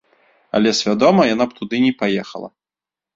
Але свядома яна б туды не паехала.